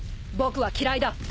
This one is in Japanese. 僕は嫌いだ。